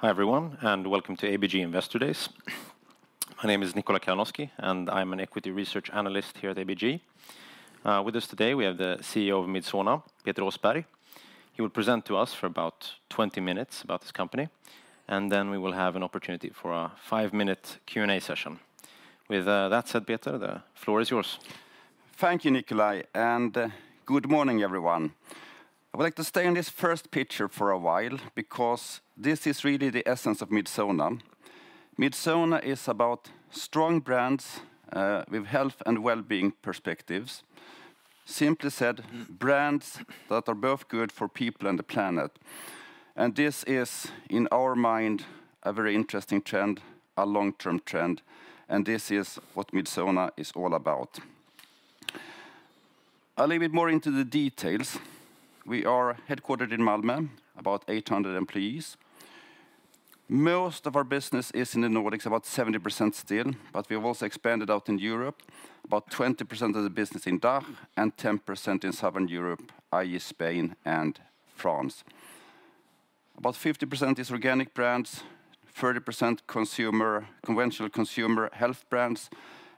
Hi, everyone, and welcome to ABG Investor Days. My name is Nikola Kalanoski, and I'm an equity research analyst here at ABG. With us today, we have the CEO of Midsona, Peter Åsberg. He will present to us for about 20 minutes about this company, and then we will have an opportunity for a 5-minute Q&A session. With that said, Peter, the floor is yours. Thank you, Nikola, and good morning, everyone. I would like to stay on this first picture for a while because this is really the essence of Midsona. Midsona is about strong brands with health and well-being perspectives. Simply said, brands that are both good for people and the planet. And this is, in our mind, a very interesting trend, a long-term trend, and this is what Midsona is all about. A little bit more into the details. We are headquartered in Malmö, about 800 employees. Most of our business is in the Nordics, about 70% still, but we have also expanded out in Europe, about 20% of the business in DACH, and 10% in Southern Europe, i.e., Spain and France. About 50% is organic brands, 30% conventional consumer health brands,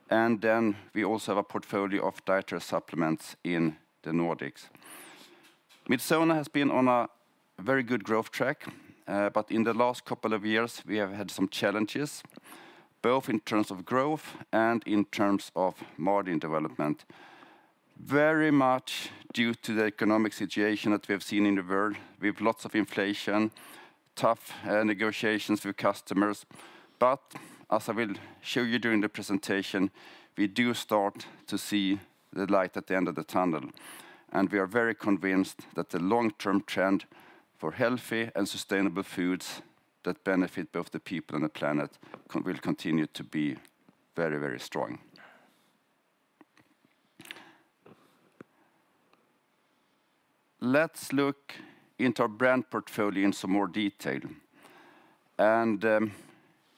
and then we also have a portfolio of dietary supplements in the Nordics. Midsona has been on a very good growth track, but in the last couple of years, we have had some challenges, both in terms of growth and in terms of margin development. Very much due to the economic situation that we have seen in the world, with lots of inflation, tough negotiations with customers. But as I will show you during the presentation, we do start to see the light at the end of the tunnel, and we are very convinced that the long-term trend for healthy and sustainable foods that benefit both the people and the planet will continue to be very, very strong. Let's look into our brand portfolio in some more detail.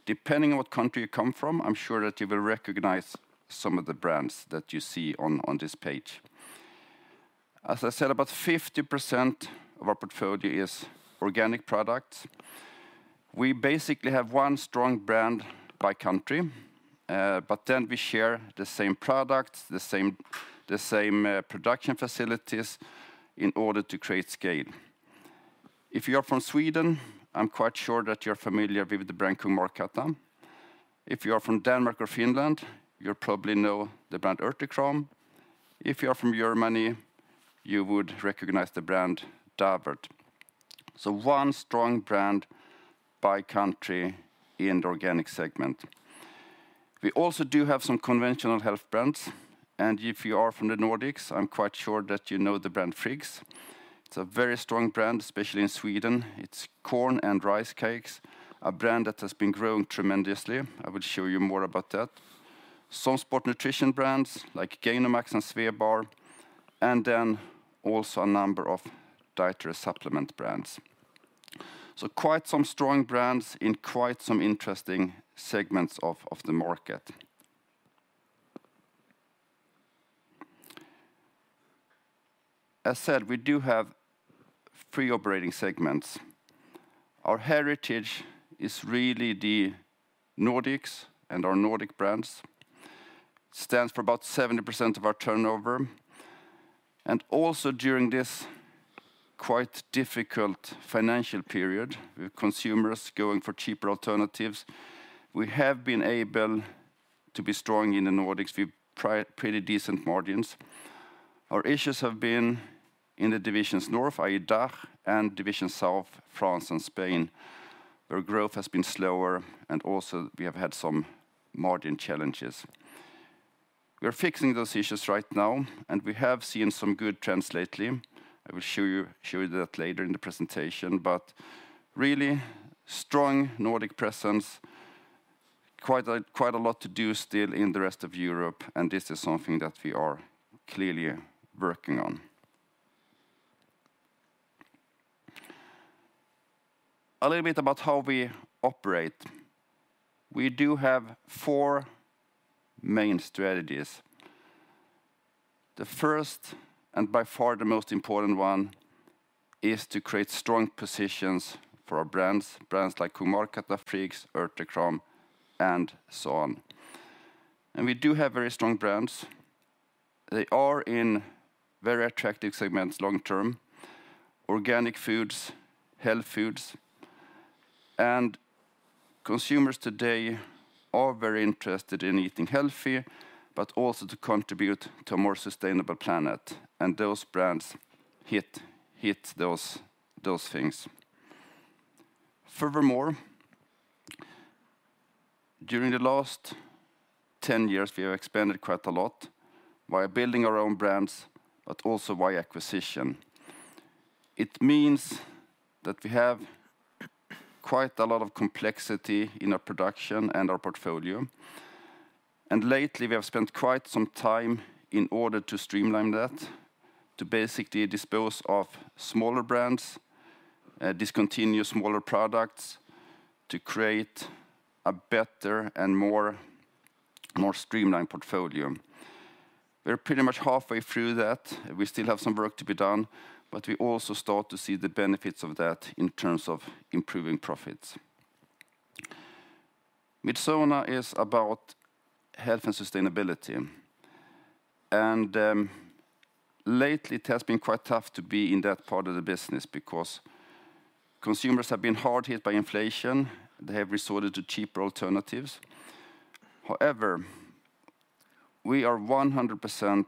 Depending on what country you come from, I'm sure that you will recognize some of the brands that you see on this page. As I said, about 50% of our portfolio is organic products. We basically have one strong brand by country, but then we share the same products, the same production facilities in order to create scale. If you are from Sweden, I'm quite sure that you're familiar with the brand Kung Markatta. If you are from Denmark or Finland, you probably know the brand Urtekram. If you are from Germany, you would recognize the brand Davert. One strong brand by country in the organic segment. We also do have some conventional health brands, and if you are from the Nordics, I'm quite sure that you know the brand Friggs. It's a very strong brand, especially in Sweden. It's corn and rice cakes, a brand that has been growing tremendously. I will show you more about that. Some sport nutrition brands like Gainomax and Swebar, and then also a number of dietary supplement brands. So quite some strong brands in quite some interesting segments of the market. As said, we do have three operating segments. Our heritage is really the Nordics, and our Nordic brands stands for about 70% of our turnover, and also during this quite difficult financial period, with consumers going for cheaper alternatives, we have been able to be strong in the Nordics. We pretty decent margins. Our issues have been in the Division North, i.e., DACH, and Division South, France and Spain, where growth has been slower, and also we have had some margin challenges. We are fixing those issues right now, and we have seen some good trends lately. I will show you that later in the presentation, but really strong Nordic presence, quite a lot to do still in the rest of Europe, and this is something that we are clearly working on. A little bit about how we operate. We do have four main strategies. The first, and by far the most important one, is to create strong positions for our brands, brands like Kung Markatta, Friggs, Urtekram, and so on. We do have very strong brands. They are in very attractive segments long term, organic foods, health foods, and consumers today are very interested in eating healthy, but also to contribute to a more sustainable planet, and those brands hit those things. Furthermore, during the last 10 years, we have expanded quite a lot via building our own brands, but also via acquisition. It means that we have quite a lot of complexity in our production and our portfolio, and lately, we have spent quite some time in order to streamline that, to basically dispose of smaller brands, discontinue smaller products, to create a better and more streamlined portfolio. We're pretty much halfway through that. We still have some work to be done, but we also start to see the benefits of that in terms of improving profits. Midsona is about health and sustainability, and lately it has been quite tough to be in that part of the business because consumers have been hard hit by inflation. They have resorted to cheaper alternatives. However, we are 100%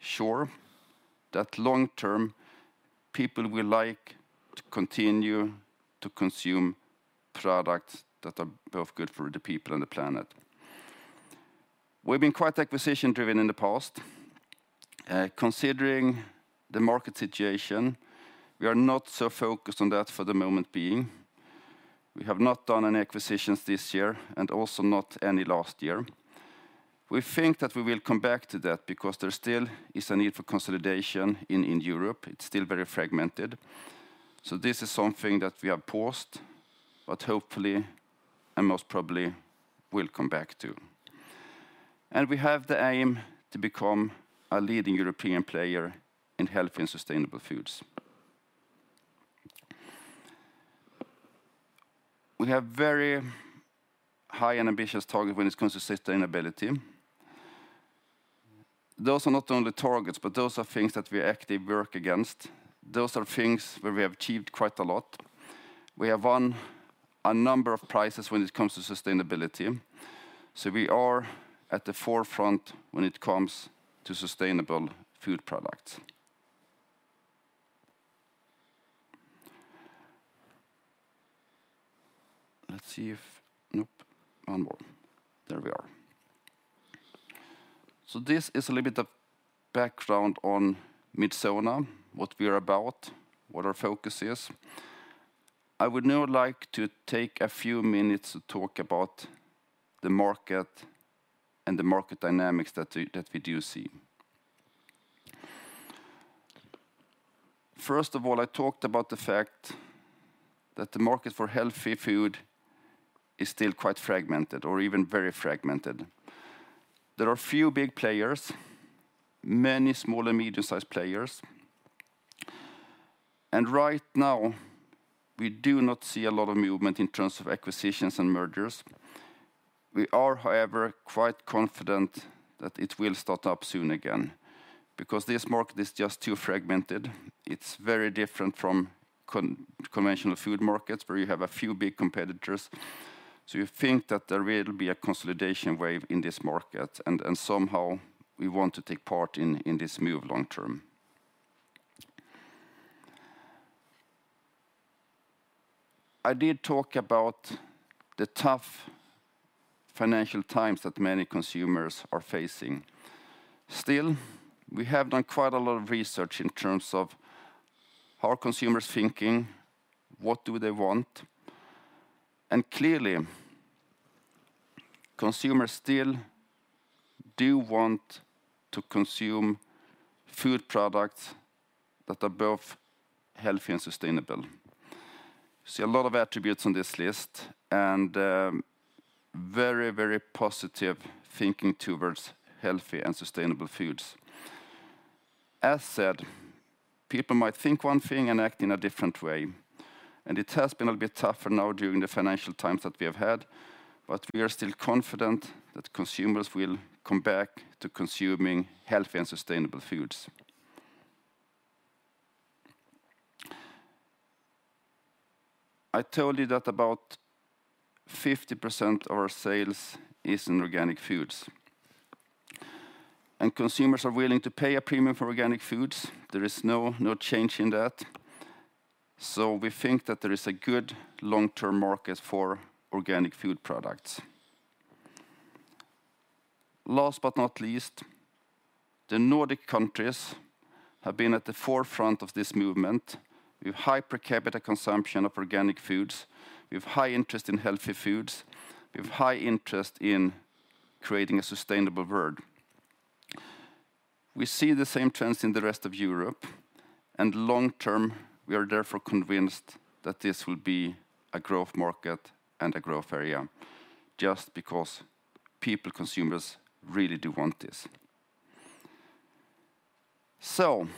sure that long term, people will like to continue to consume products that are both good for the people and the planet. We've been quite acquisition-driven in the past. Considering the market situation, we are not so focused on that for the moment being. We have not done any acquisitions this year and also not any last year. We think that we will come back to that because there still is a need for consolidation in Europe. It's still very fragmented. So this is something that we have paused, but hopefully, and most probably, will come back to. And we have the aim to become a leading European player in healthy and sustainable foods. We have very high and ambitious target when it comes to sustainability. Those are not only targets, but those are things that we actively work against. Those are things where we have achieved quite a lot. We have won a number of prizes when it comes to sustainability, so we are at the forefront when it comes to sustainable food products. Let's see if... Nope, one more. There we are. So this is a little bit of background on Midsona, what we are about, what our focus is. I would now like to take a few minutes to talk about the market and the market dynamics that we do see. First of all, I talked about the fact that the market for healthy food is still quite fragmented or even very fragmented. There are a few big players, many small- and medium-sized players, and right now, we do not see a lot of movement in terms of acquisitions and mergers. We are, however, quite confident that it will start up soon again because this market is just too fragmented. It's very different from conventional food markets, where you have a few big competitors, so we think that there will be a consolidation wave in this market, and somehow we want to take part in this move long term. I did talk about the tough financial times that many consumers are facing. Still, we have done quite a lot of research in terms of how are consumers thinking, what do they want? And clearly, consumers still do want to consume food products that are both healthy and sustainable. You see a lot of attributes on this list, and very, very positive thinking towards healthy and sustainable foods. As said, people might think one thing and act in a different way, and it has been a bit tougher now during the financial times that we have had, but we are still confident that consumers will come back to consuming healthy and sustainable foods. I told you that about 50% of our sales is in organic foods, and consumers are willing to pay a premium for organic foods. There is no, no change in that, so we think that there is a good long-term market for organic food products. Last but not least, the Nordic countries have been at the forefront of this movement. We have high per capita consumption of organic foods. We have high interest in healthy foods. We have high interest in creating a sustainable world. We see the same trends in the rest of Europe, and long term, we are therefore convinced that this will be a growth market and a growth area just because people, consumers, really do want this. So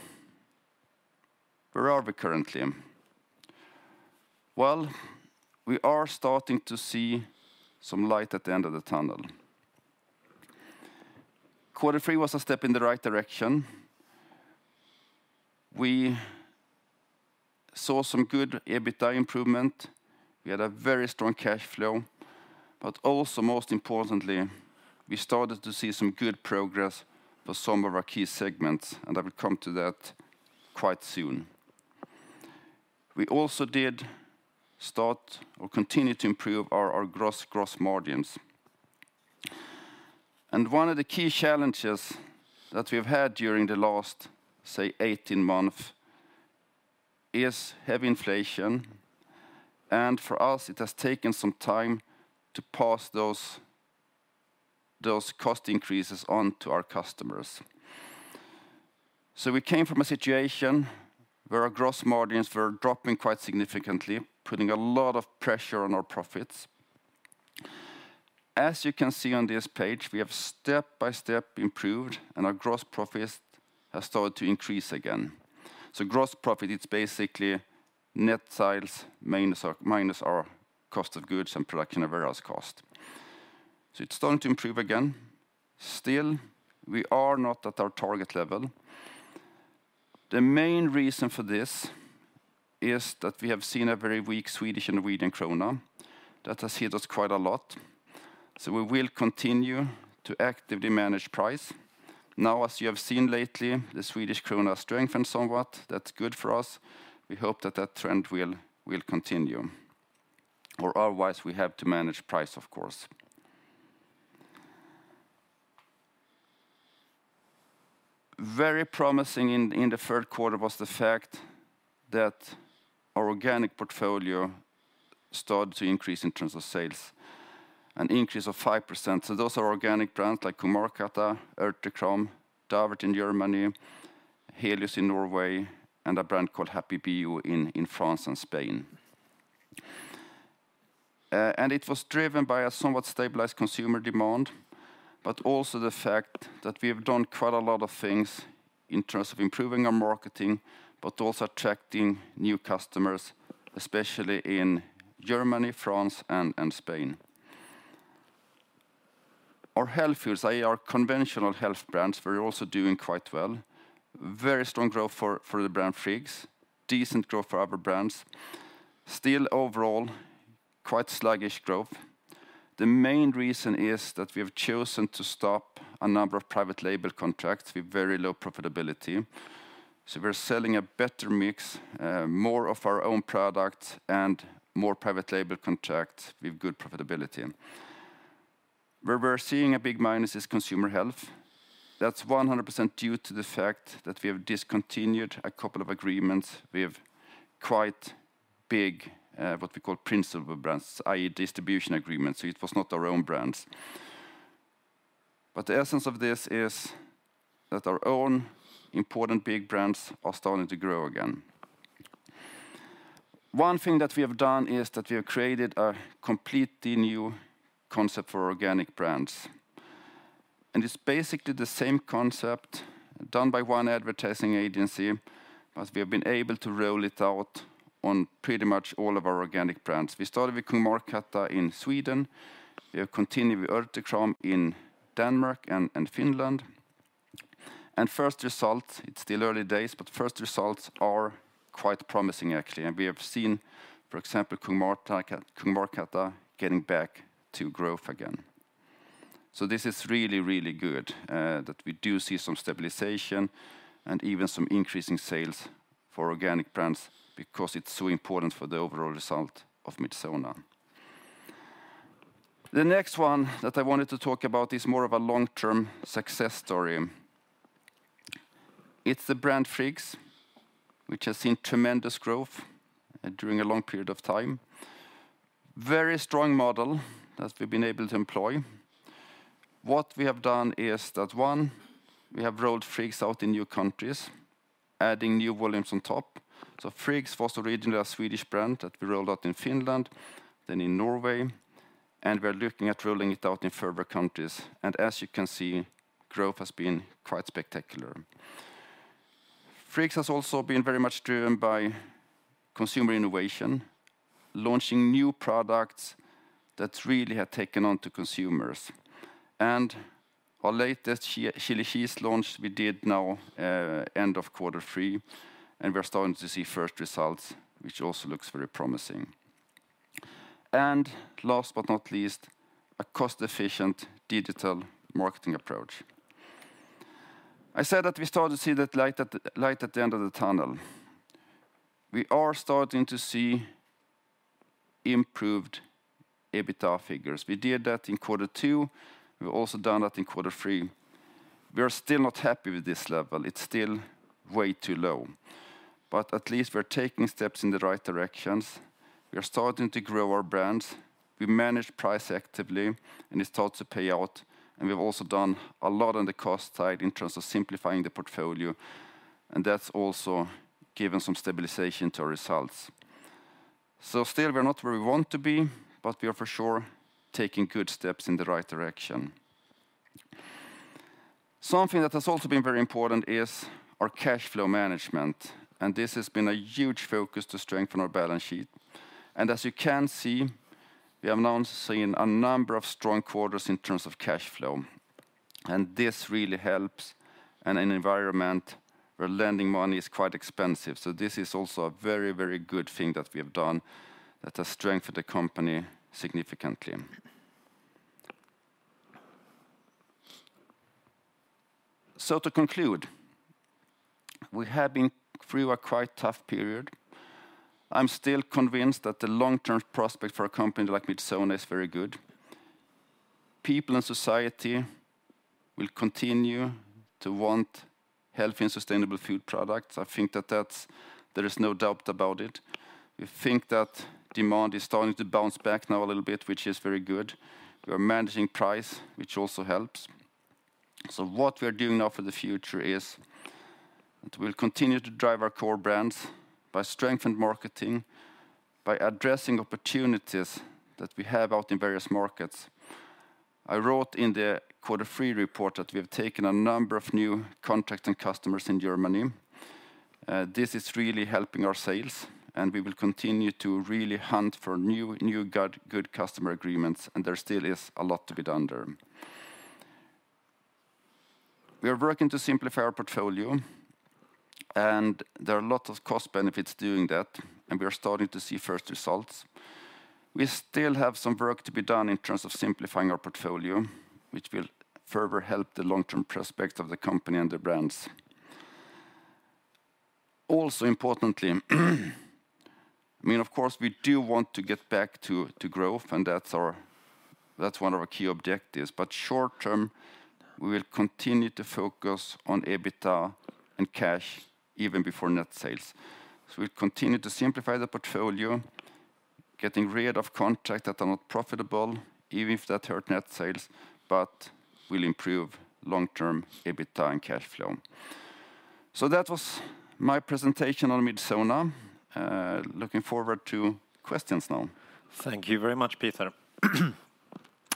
where are we currently? Well, we are starting to see some light at the end of the tunnel. Quarter three was a step in the right direction. We saw some good EBITDA improvement. We had a very strong cash flow, but also, most importantly, we started to see some good progress for some of our key segments, and I will come to that quite soon. We also did start or continue to improve our gross margins. And one of the key challenges that we've had during the last, say, 18 months, is heavy inflation, and for us, it has taken some time to pass those, those cost increases on to our customers. So we came from a situation where our gross margins were dropping quite significantly, putting a lot of pressure on our profits. As you can see on this page, we have step-by-step improved, and our gross profits have started to increase again. So gross profit, it's basically net sales minus our, minus our cost of goods and production and various cost. So it's starting to improve again. Still, we are not at our target level. The main reason for this is that we have seen a very weak Swedish and Norwegian krona that has hit us quite a lot. So we will continue to actively manage price. Now, as you have seen lately, the Swedish krona has strengthened somewhat. That's good for us. We hope that that trend will continue, or otherwise, we have to manage price, of course. Very promising in the third quarter was the fact that our organic portfolio started to increase in terms of sales, an increase of 5%. So those are organic brands like Kung Markatta, Urtekram, Davert in Germany, Helios in Norway, and a brand called Happy Bio in France and Spain. And it was driven by a somewhat stabilized consumer demand, but also the fact that we have done quite a lot of things in terms of improving our marketing, but also attracting new customers, especially in Germany, France, and Spain. Our health foods, i.e., our conventional health brands, were also doing quite well. Very strong growth for the brand Friggs, decent growth for other brands. Still, overall, quite sluggish growth. The main reason is that we have chosen to stop a number of private label contracts with very low profitability. So we're selling a better mix, more of our own products and more private label contracts with good profitability. Where we're seeing a big minus is consumer health. That's 100% due to the fact that we have discontinued a couple of agreements with quite big, what we call principal brands, i.e., distribution agreements, so it was not our own brands. But the essence of this is that our own important big brands are starting to grow again. One thing that we have done is that we have created a completely new concept for organic brands, and it's basically the same concept done by one advertising agency, but we have been able to roll it out on pretty much all of our organic brands. We started with Kung Markatta in Sweden. We have continued with Urtekram in Denmark and Finland. And first result, it's still early days, but first results are quite promising, actually, and we have seen, for example, Kung Markatta, Kung Markatta getting back to growth again. So this is really, really good, that we do see some stabilization and even some increasing sales for organic brands because it's so important for the overall result of Midsona. The next one that I wanted to talk about is more of a long-term success story. It's the brand Friggs, which has seen tremendous growth during a long period of time. Very strong model that we've been able to employ. What we have done is that, one, we have rolled Friggs out in new countries, adding new volumes on top. Friggs was originally a Swedish brand that we rolled out in Finland, then in Norway, and we're looking at rolling it out in further countries. As you can see, growth has been quite spectacular. Friggs has also been very much driven by consumer innovation, launching new products that really have taken on to consumers. Our latest Chili Cheese launch, we did now end of quarter three, and we're starting to see first results, which also looks very promising. Last but not least, a cost-efficient digital marketing approach. I said that we started to see that light at the end of the tunnel. We are starting to see improved EBITDA figures. We did that in quarter two. We've also done that in quarter three. We are still not happy with this level. It's still way too low, but at least we're taking steps in the right directions. We are starting to grow our brands. We manage price actively, and it starts to pay out, and we've also done a lot on the cost side in terms of simplifying the portfolio, and that's also given some stabilization to our results. So still, we are not where we want to be, but we are for sure taking good steps in the right direction. Something that has also been very important is our cash flow management, and this has been a huge focus to strengthen our balance sheet. As you can see, we have now seen a number of strong quarters in terms of cash flow, and this really helps in an environment where lending money is quite expensive. This is also a very, very good thing that we have done that has strengthened the company significantly. To conclude, we have been through a quite tough period. I'm still convinced that the long-term prospect for a company like Midsona is very good. People in society will continue to want healthy and sustainable food products. I think that that's... There is no doubt about it.... We think that demand is starting to bounce back now a little bit, which is very good. We are managing price, which also helps. So what we are doing now for the future is that we'll continue to drive our core brands by strengthened marketing, by addressing opportunities that we have out in various markets. I wrote in the quarter three report that we have taken a number of new contracts and customers in Germany. This is really helping our sales, and we will continue to really hunt for new good customer agreements, and there still is a lot to be done there. We are working to simplify our portfolio, and there are a lot of cost benefits doing that, and we are starting to see first results. We still have some work to be done in terms of simplifying our portfolio, which will further help the long-term prospects of the company and the brands. Also importantly, I mean, of course, we do want to get back to growth, and that's our—that's one of our key objectives, but short term, we will continue to focus on EBITDA and cash, even before net sales. So we'll continue to simplify the portfolio, getting rid of contracts that are not profitable, even if that hurt net sales, but will improve long-term EBITDA and cash flow. So that was my presentation on Midsona. Looking forward to questions now. Thank you very much, Peter.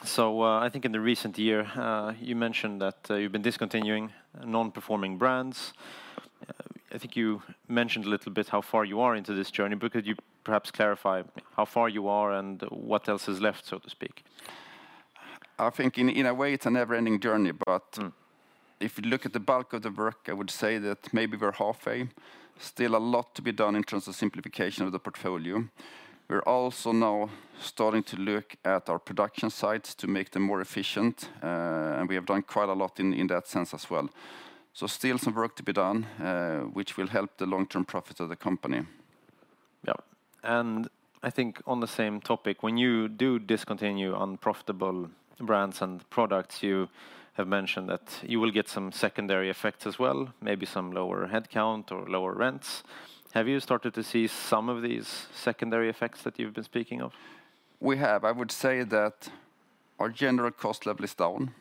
So, I think in the recent year, you mentioned that, you've been discontinuing non-performing brands. I think you mentioned a little bit how far you are into this journey. Could you perhaps clarify how far you are and what else is left, so to speak? I think in a way, it's a never-ending journey, but- Mm... if you look at the bulk of the work, I would say that maybe we're halfway. Still a lot to be done in terms of simplification of the portfolio. We're also now starting to look at our production sites to make them more efficient, and we have done quite a lot in that sense as well. So still some work to be done, which will help the long-term profit of the company. Yeah. I think on the same topic, when you do discontinue unprofitable brands and products, you have mentioned that you will get some secondary effects as well, maybe some lower headcount or lower rents. Have you started to see some of these secondary effects that you've been speaking of? We have. I would say that our general cost level is down,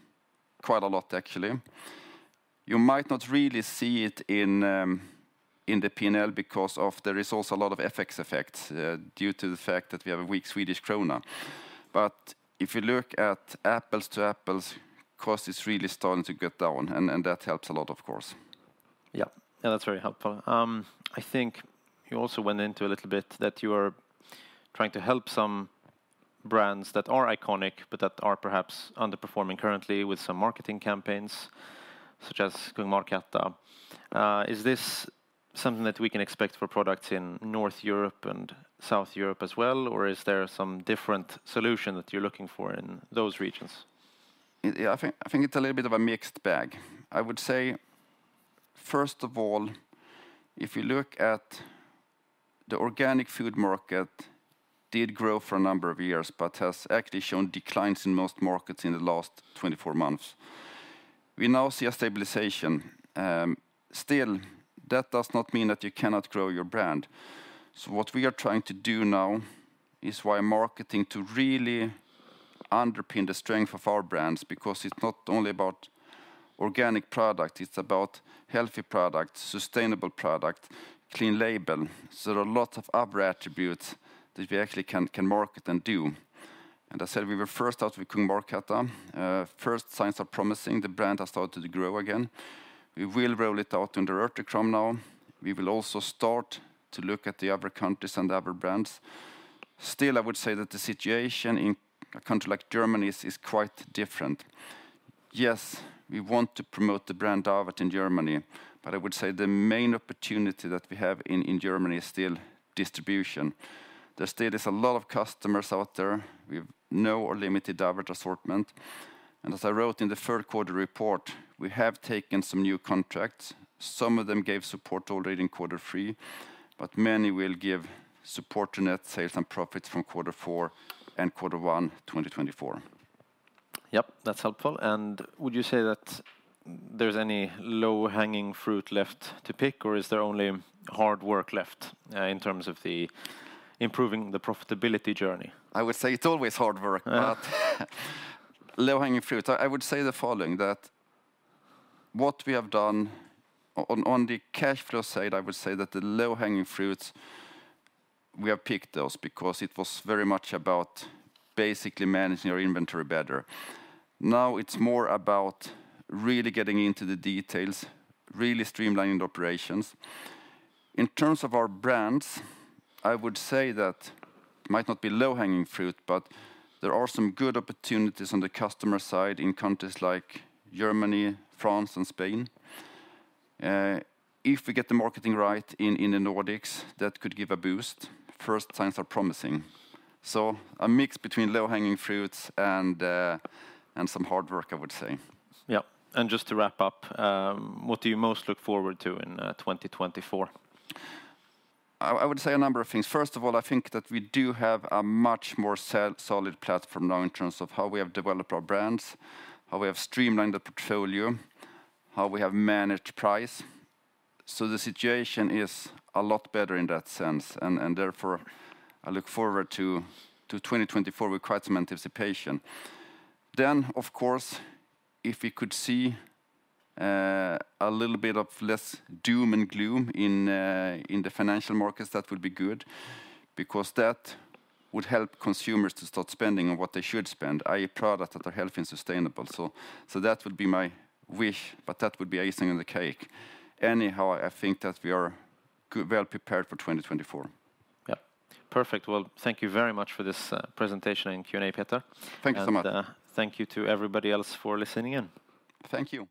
quite a lot actually. You might not really see it in, in the P&L because of there is also a lot of FX effects due to the fact that we have a weak Swedish krona. But if you look at apples to apples, cost is really starting to get down, and, and that helps a lot, of course. Yeah. Yeah, that's very helpful. I think you also went into a little bit that you are trying to help some brands that are iconic, but that are perhaps underperforming currently with some marketing campaigns, such as Kung Markatta. Is this something that we can expect for products in North Europe and South Europe as well, or is there some different solution that you're looking for in those regions? Yeah, I think it's a little bit of a mixed bag. I would say, first of all, if you look at the organic food market, it did grow for a number of years, but has actually shown declines in most markets in the last 24 months. We now see a stabilization. Still, that does not mean that you cannot grow your brand. So what we are trying to do now is via marketing to really underpin the strength of our brands, because it's not only about organic product, it's about healthy product, sustainable product, clean label. So there are a lot of other attributes that we actually can market and do. And I said we were first out with Kung Markatta. First signs are promising. The brand has started to grow again. We will roll it out under Örtagård now. We will also start to look at the other countries and the other brands. Still, I would say that the situation in a country like Germany is quite different. Yes, we want to promote the brand Davert in Germany, but I would say the main opportunity that we have in Germany is still distribution. There still is a lot of customers out there with no or limited Davert assortment. And as I wrote in the third quarter report, we have taken some new contracts. Some of them gave support already in quarter three, but many will give support to net sales and profits from quarter four and quarter one, 2024. Yep, that's helpful. And would you say that there's any low-hanging fruit left to pick, or is there only hard work left, in terms of improving the profitability journey? I would say it's always hard work. Yeah... but low-hanging fruit, I would say the following, that what we have done on, on the cash flow side, I would say that the low-hanging fruits, we have picked those because it was very much about basically managing our inventory better. Now, it's more about really getting into the details, really streamlining the operations. In terms of our brands, I would say that might not be low-hanging fruit, but there are some good opportunities on the customer side in countries like Germany, France, and Spain. If we get the marketing right in, in the Nordics, that could give a boost. First signs are promising. So a mix between low-hanging fruits and, and some hard work, I would say. Yeah. And just to wrap up, what do you most look forward to in 2024? I would say a number of things. First of all, I think that we do have a much more solid platform now in terms of how we have developed our brands, how we have streamlined the portfolio, how we have managed price. So the situation is a lot better in that sense, and therefore, I look forward to 2024 with quite some anticipation. Then, of course, if we could see a little bit of less doom and gloom in the financial markets, that would be good, because that would help consumers to start spending on what they should spend, i.e., products that are healthy and sustainable. So that would be my wish, but that would be icing on the cake. Anyhow, I think that we are well prepared for 2024. Yeah. Perfect. Well, thank you very much for this presentation and Q&A, Peter. Thanks so much. Thank you to everybody else for listening in. Thank you!